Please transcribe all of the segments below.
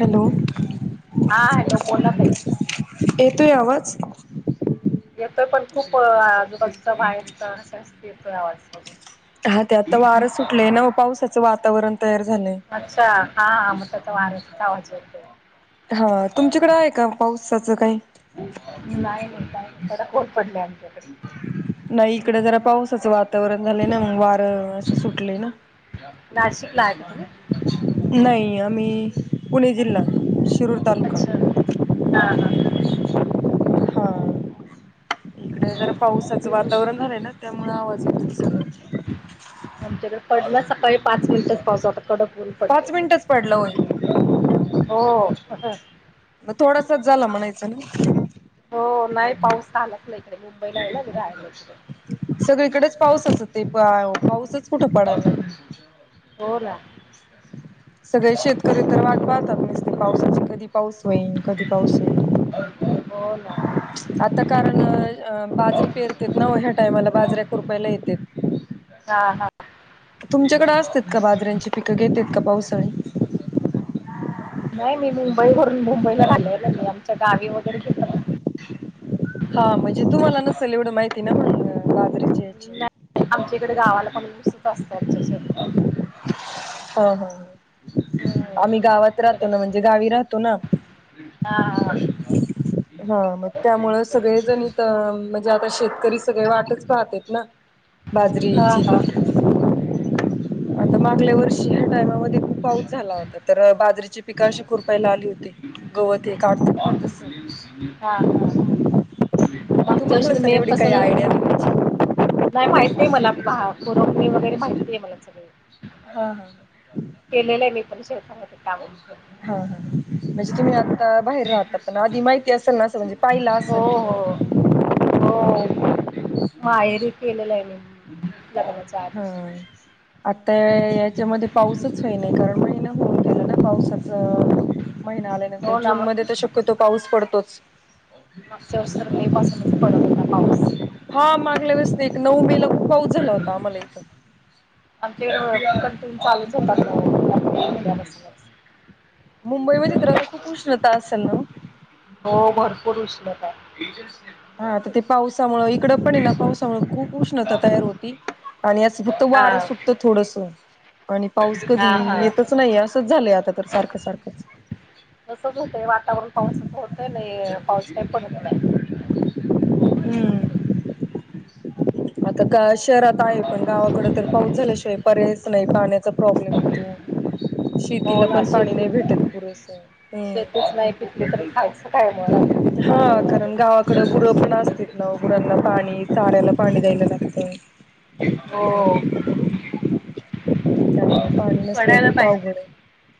Hello हा हा hello बोला ताई येतो आवाज? येतोय पण खूप आजूबाजूचा बाहेर अस येतोय आवाजसोब हा ते आता वार सुटले न पावसाचं वातावरण तयार झालंय. अच्छा हा हां म त [unintelligible] हा तुमच्याकडे आहे का पावसाचं काही? मी नाही हो का जरा कोत पडले आमच्याकडे. नाही इकडे जरा पाऊस वातावरण झाले ना मग वारं सुटले ना? नाशिक लाटते. नाही आम्ही पुणे जिल्हा शिरूर तालुका अच्छा हा हा हा जरा पावसाचं हम्म. वातावरण झालंय ना त्यामुळ आवाज येत सग आमच्याकडे पडना सकाळी पाच. मिनटात पासता कडकून पडले पाच मिनिटच पडला होय हो. मग थोडासाच झाला म्हणायचं ना? हो नाही पाऊस आलाच नाही इकडे मुंबईला आहेला घे राला इकडे सगळीकडेच पाऊसच ते पाऊसच कुठं पडायला. हो ना? सगळे शेतकरी तर वाट पाहतात नसते पावसाचे कधी पाऊस होईल कधी पाऊस होईल. हो ना? आता कारण बाजरी पेरते ना ह्या टायमाला बाजऱ्या कुरपाला येते हा हा तुमच्याकडें असतेात का बाजऱ्यांची पिकं घेतात का पावसाळी नाही मी मुंबई भरून मुंबईला झालेलं नाही आमच्या गावी वगैरे घेतात हा म्हणजे तुम्हाला नसेल एवढं माहिती ना मग नाही आमच्या इकडे गावाला पणसच असत आमच्या शेतात हो हो म्हणजे गावी बर राहतो ना ह हा मग त्यामुळ सगळेजणत म्हणजे आता शेतकरी सगळे वाटत स्त आहेत ना बाजरीची े बिलकल रेडओ क आता मागल्या वर्षी ह्या टायमामध्ये खूप पाऊस झाला होता तर बाजरीेची पिकं अशी खुरपायला आली होती गवत हे काढतात हा ना तसं हा मागच्या तुम्हाला वर्षी तर पण मे एवढी काही पासन. आयडिया नाही त्याची. नाही माहितीय मला कोरोपणे वगैरे माहिती आहे मला सगळे हा हा केलेलं आहे मी पण शेवता काा हा हा म्हणजे तुम्ही आता बाहेर राहता पण आधी माहिती असेल नां म्हणजे पाहिला हो सनखीमा हो हो माहेरी केलेलं आहे म लग्नाच हा आता याच्यामध्ये पाऊसच होई नाही कारण म होऊ गेलं ना पावसाचा महिना आल्यानंतर हो ना जून मग. मध्ये तर शक्यतो पाऊस पडतोच मागच्या तर मे पासूनच पडत होता पाऊस हा मागल्या वेळेस नाही एक नऊ मे ला खूप पाऊस झाला होता आम्हाला इथं आणि ते पण त चालूच होतात प म महिन्या मुंबईमध्ये तर आता खूप उष्णता असेल ना हो भरपूर उसल का हा तर ते पावसामु इकडं पण आहे ना पावसामुळे खूप उष्णता तयार होती आणि असं फक्त वारं सुटत थोडस आणि पाऊस कधी येतच नाही असंच झालंय आता तर सारखं सारखंच तसच होतं वातावरण पावसाच होतं नाही पाऊस का पडत नाही हा आता ग शहरात आहे पण गावाकड तर पाऊस झाल्याशिवाय पर्यायच नाही पाण्याचा प्रॉब्लेम आहे हो शतीला ना पण पाणी नाही शेतीच भेटत पुरस शेतीच नाही तली तरी खायचं काय मु हा कारण गावाकडं बुडं पण असत ना बुडांना पाणी चाऱ्याला पाणी द्यायला लागतं हो पाणी नसल्या पडायला तर पाहिजे. पावघडे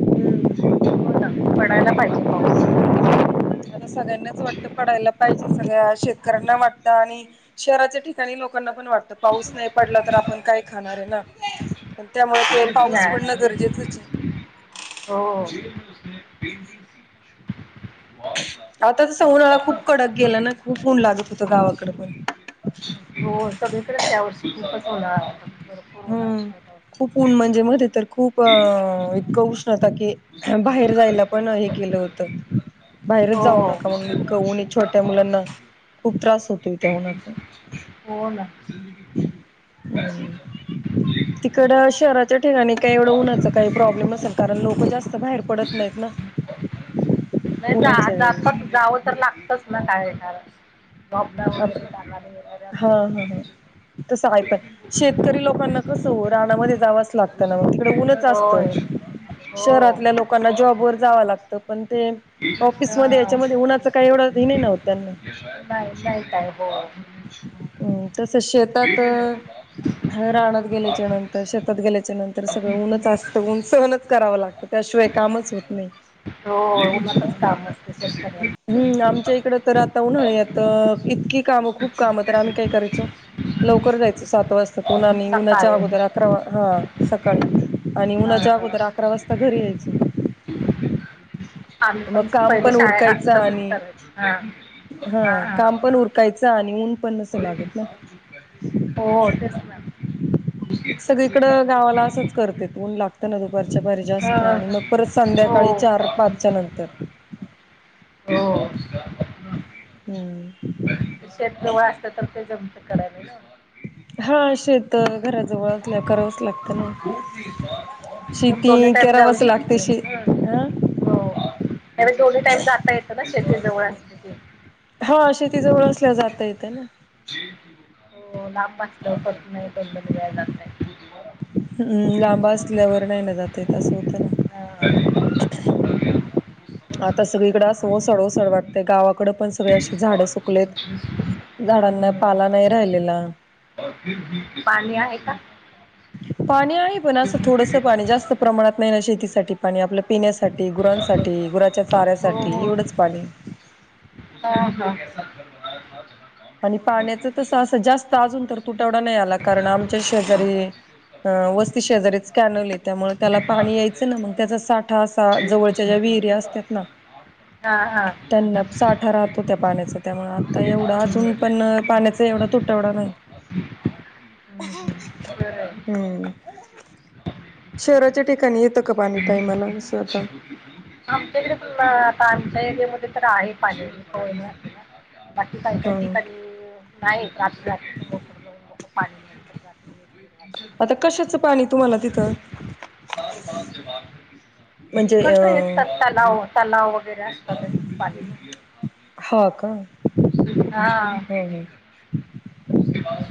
हम्म हो ना पडायला पाहिजे पाऊस आता सगळ्यांनाच वाट पडायला पाहिजे सगळ्या शेतकऱ्यांना वाटत आणि शहराच्या ठिकाणी लोकांना पण वाटत आता पाऊस नाही पडला तर आपण काय खाणार आहे ना पण त्यामुळे ते पाऊस पडणं गरजेचंच आहे होट आता तस उन्हाळा खूप कडक गेला ना खूप ऊन लागत होत गावाकडे पण हो सगळीकडेच या वर्षी खूपच होणार होणार हम्म उष्णता खूप होती. ऊन म्हणजे मध्ये तर खूप अ इतकं उष्णता की बाहेर जायला पण हे केलं होत बाहेरच जाऊ हो. नका म्हणूनणी छोट्या मुलांना खूप त्रास होतो शिंदी ह तिकडं शहराच्या ठिकाणी काही एवढं उन्हाचं काही प्रॉब्लेम असेल कारण लोक जास्त बाहेर पडत नाहीत ना [inaudible] म जा उन्हाच्या वेळेस गाव तर लागतच ना काय हे कार लबदा आपण आ हा हा हा तसं आहेय पण शेतकरी लोकांना कसं हो रानामध्ये जावंच लागतं ना म्हणज तिकडे ऊनच असतं होय हो हा. शहातल्या लोक लोकांना जॉब वर जावं लागतं पण ते ऑफिसमध्ये याच्यामध्ये उन्हाच काही एवढं नाही नव्हत त्यांना बाय शल काय हो हम् तस शेतात राहणत गेल्याच्या नंतर शेतात गेल्याच्या नंतर सगळं ऊनच असतं ऊन सहनच करावं लागतं त्याशिवाय कामच होत नाही हो का असते स हम्म आमच्या इकड तर आता उन्हाळी आता इतकी काम खूप काम तर आम्ही काय करायचो लवकर जायचं सात वाजता प आ्ही उन्हाच्या सकाळी अगोदर अकरा हा सकाळी आणि उन्हाच्या अगोदर अकरा वाजता घरी यायच आम्ही मग पण काम पहिले उरकायचं शाळेत तसच आणि करायच ह हा काम पण उरकायचं आणि ऊन पण अससं लागत ना हो तेच ना सगळीकड गावाला असंच करते म्हन लागत दुपारच्या पाहिजे असत आणि मग परत हो संध्याकाळी चार हो पाचच्या नंतर हो हम्म शेतजव असत तर ते जमते करावे हा शेत घराजवळ असल्या करावच लागत ना तर दोन्ही शेती टाइम जाऊ करावाच लागते शकतोय. शे हं हो त्या दोन्ही टाईम जाता येतं ना शेती जवळ असते की हा अशी ति जवळ असल्या जाता येते ना हो लांबच ल करत नाही पणया जात नाही हम लांब असल्यावर नाही ना जातय त असं होतं ना पहिली बार जे पकडा आता सगळीकडे अस सडव सड वाटतते गावाकडडे पण गलती सगळे असे झाडं सुकलेत झाडांना पाला नाही राहिलेला पाणी आहे का पाणी आहे पण असं थोडस पाणी जास्त प्रमाणात नाही ना शेतीसाठी पाणी आपलं पिण्यासाठी गुरांसाठी गुराच्या चाऱ्यासाठी एवढंच पाणी हा हाच आणि पाण्याच तस असं जास्त अजून तर तुटवडा नाही आला कारण आमच्या शेजारी अ वस्ती शेजारी्याच कॅनल आहे त्यामुळे त्याला पाणी यायचं ना मग त्याचा साठ ठा असा जवळच्या ज्या विहिर्या असतात ना त्यांना साठा राहतो त्या पाण्याचा त्यामुळे में आता एवढा अजून पण पाण्याचा एवढा तुट वडा नाही हम्म, हम्म, बरोबर. हम्म शहराच्या ठिकाणी येतं का पाणी टायमाला इ असं अच्छ आता होती आमच्याकडे प आता आमच्या एरियामध्येध्ये तर आहे पाहिजे बाकी काय काय ह ठिकणी नाहीात पाणी आता कशाचं पाणी तुम्हाला तिथं सारू पाात जवाब म्हणजे इकडच अ येततात तलाव तलाव वगैरे असतात पा हा का हा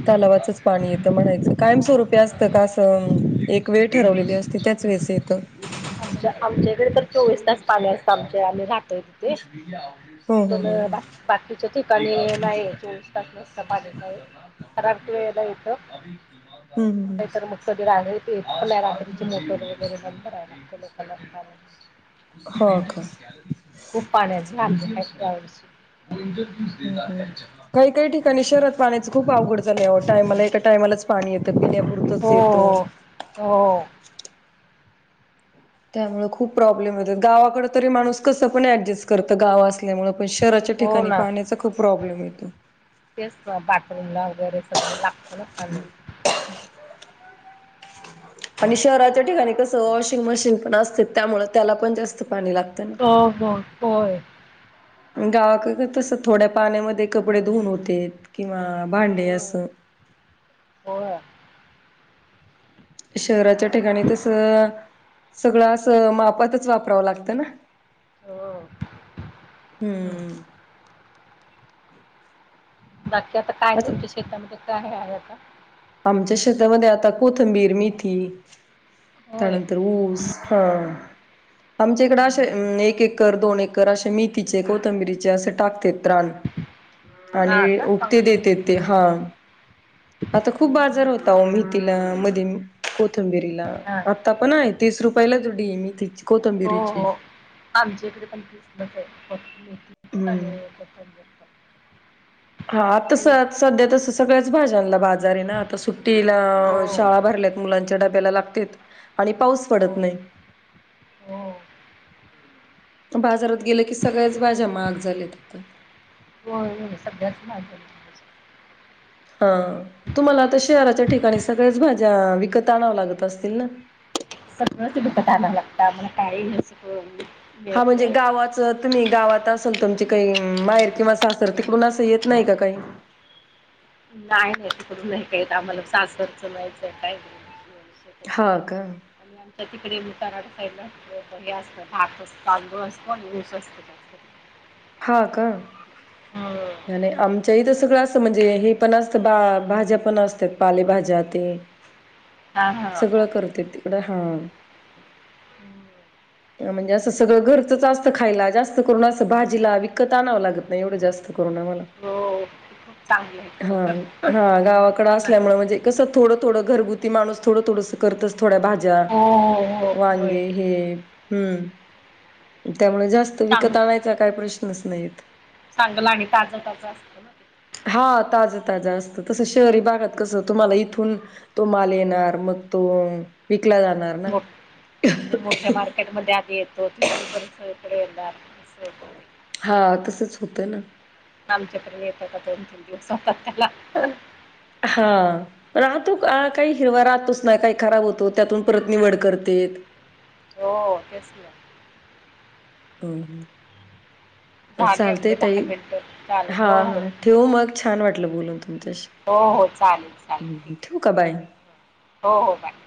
तलावाचच पाणी येतं म्हणायचं कायम स्वरूपी असतं का असं एक एक वेळ ठरवलेली असते त्याच वेळेस येतं आच्या आमच्याकडे तर चोवीस तास पाणी असतं आमचे आम्ही राहतोय तिथे हं प हं हं बा बाकीच्या ठिकाणी नाही चोवीस तास वाजता पाणी तराट य यत हं हं का तर मग सग रात्री ते प रात्रीची मोटर वगैरे ब बरायला हो का पंटिंग खूप पाण्याच हम्म हम्म काही काही ठिकाणी शहरात पाण्याचं खूप अवघड झालं आहे टायमाला एका टायमालाच पाणी येतं पिल्या होतच येत हो हो त्यामुळे खूप प्रॉब्लेम येतात गावाकड तरी माणूस कसं पण ऍडजस्ट करत गाव असल्यामुळे पण शहराच्या हो ठिकाणी पाण्याचा खूप प्रॉब्लेम येतो तेचग बाथरूम ला वगैरे सगळ लागतो ना आम्ही आणि शहराच्या ठिकाणी कसं वॉशिंग मशीन पण असते त्यामुळे त्याला पण जास्त पाणी लागत हो हो हो गावाक तस थोड्या पाण्यामध्ये कपडे धुून होते किंवा भांडे असं हो शहराच्या ठिकाणी तसं सगळं असं मापातच वापरावं लागतं ना हो हम्म नक्की आता काय तुमच्या शेतामध्ये काय आहे आता आमच्या शेतामध्ये आता कोथंबीर मेथी होय त्यानंतर हम्म, ऊस हम्म. हां आमच्या इकडें असे हम्म. एक एकर दोन एकर असे मथीचे कोथंबिरीचे असे टाकते आणि हा का उकते चांगलं आहे ना. देते ते हा हम्म, आता खूप हम्म, बाजार हम्म. होता मेहतीला मध कोथंबिरीला हा आता पण आहे तीस रुपयालाचडी मी त कोथंबिरीची आमच्याकडे पण क्रिसमस आहे हम्म प हा आतास सध्या तस सगळ्याच भाज्या आणलं बाजार आहे ना आता सुट्टीला हो शाळा भरल्या मुलांच्या डब्याला लागते आणि पाऊस पडत हो नाही हो बाजारात गेले की सगळ्याच भाज्या महाग झाल्यात आता होय होय सगळ्याच म हा तुम्हाला आता शहराच्या ठिकाणी सगळ्याच भाज्या विकत आणाव्या लागत असतील ना सगळंचडुपतना लागत मण काय घ शिक हा म्हणजे गावाचं तुम्ही गावात असाल तुमची काही माहेर किंवा सासर तिकडून असं येत नाही काही नाही नाही तिकडून नाही का येत आम्हाला सासरचं नाहीचं काय हा का अ तर तिकडे मुतारा साईडला हे असतं ढक असत तांदळ असतो आणि ऊस असतो त्या हा का हम आणि आमच्या इथ सगळं असं म्हणजे हे पण असतं बा भाज्या पण असतात पालेभाज्या ते हा हा सगळं करते तिकडं हा हम्म म्हणजे असं सगळं घरचंच असत खायला जास्त करून असं भाजीला विकत आणावं लागत नाही एवढं जास्त हो ते खूप चांगलं आहे खरं तर हा हो ना गाल्या म्ह कस थोड थोड घरगुती माणूसथोडं ोडं करतस थोड्या भाज्या हो हो हो होय वांगे हे हम्म त्यामुळे जास्त विकत चांगलं आणायचा काही प्रश्नच नाहीेत चांगलं आणि ताजं ताज असत हा ताजं ताजं असतं तसं शहरी भागात कसं तुम्हाला इथून तो माल येणार मग तो विकला जाणार ना. मोठ ते मोठे मार केट म आधी येतो तिथून परत सगळीकडे येणार हो हा तसंच होतं ना आमच्या प येत का दोन तीन दिवस होतात त्याला हा राहतो काही हिरवा राहतोच ना काही खराब होतो त्यातून परत निवड करते हो तेच नाही हम हम झाले चालतय आपले दहा तई मिनटं चालेल हा हो हो हा ठेव मग छान वाटलं बोलून तुमच्याशी हो हो चालेल चालेल ठीक हम्म, ठेवू का आहे बाय. थँक्यू हो हो बाय